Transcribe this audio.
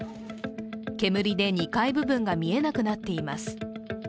煙で２階部分が見えなくなっています。